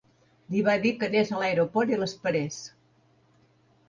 Li va dir que anés a l'aeroport i l'esperés.